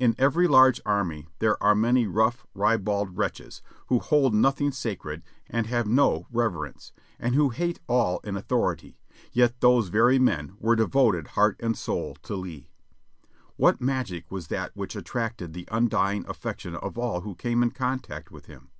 In every large army there are many rough, ribald wretches who hold nothing sacred and have no reverence, and who hate all in authority, yet those very men were devoted heart and soul to Lee. What magic was that which attracted the undying affec tion of all who came in contact with him?